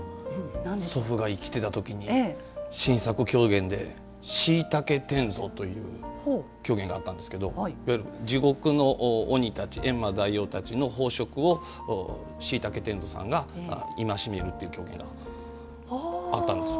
祖父が生きてた時に新作狂言で「しいたけ典座」という狂言があったんですけどいわゆる地獄の鬼たちえんま大王たちの飽食をしいたけ典座さんが戒めるっていう狂言があったんです。